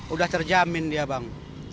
udah terjamin dia bang